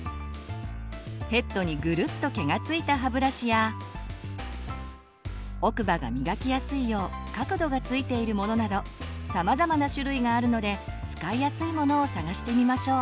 ヘッドにグルッと毛が付いた歯ブラシや奥歯がみがきやすいよう角度がついているものなど様々な種類があるので使いやすいものを探してみましょう。